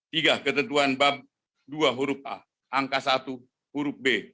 tiga ketentuan bab dua huruf a angka satu huruf b